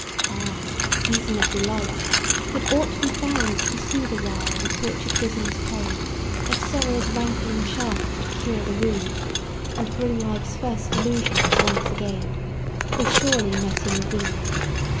Ah! season of delight! could aught be found To soothe awhile the tortured bosom's pain, Of sorrow's rankling shaft to cure the wound, And bring life's first delusions once again, 'Twere surely met in thee!